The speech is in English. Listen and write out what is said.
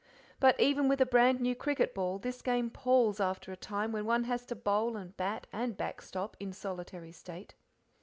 But even with a brand new cricket ball this game palls after a time when one has to bowl and bat and backstop in solitary state.